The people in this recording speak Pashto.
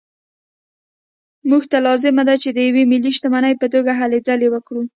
موږ ته لازمه ده د یوې ملي شتمنۍ په توګه هلې ځلې وکړو.